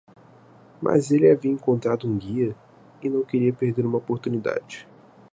Mas ele havia encontrado um guia? e não queria perder uma oportunidade.